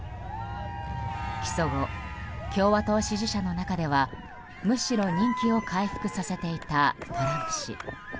起訴後、共和党支持者の中ではむしろ人気を回復させていたトランプ氏。